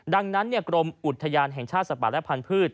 ดังนั้นกรมอุทยานแห่งชาติสปาดและพันธุ์พืช